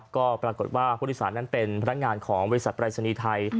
ก็ปรากฏว่าผู้โดยสารนั้นเป็นพนักงานของบริษัทปรายศนีย์ไทย